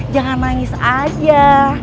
jangan nangis aja